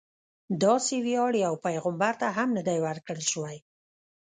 داسې ویاړ یو پیغمبر ته هم نه دی ورکړل شوی.